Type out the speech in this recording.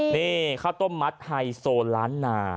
นี่ข้าวต้มมัดไฮโซล้านนา